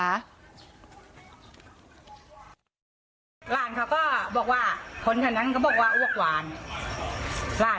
ล่านค่ะคนนั้นบอกว่าอ้วกหวาน